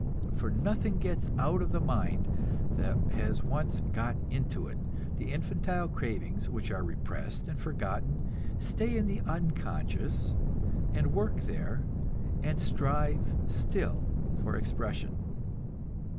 For nothing gets out of the mind that has once got into it; the infantile cravings which are repressed and forgotten stay in the unconscious, and work there, and strive still for expression.